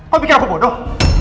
kamu pikir aku bodoh